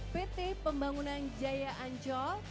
pt pembangunan jaya ancol